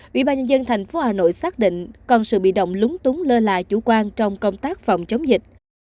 ủy ban nhân dân tp hà nội xác định còn sự bị động lúng túng lơ là chủ quan trong công tác phòng chống dịch